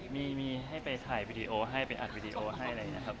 มีให้ไปถ่ายวีดีโอให้ไปอัดวิดีโอให้อะไรอย่างนี้ครับ